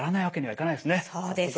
はい。